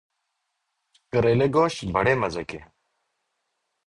کریلے گوشت بڑے مزے کے ہیں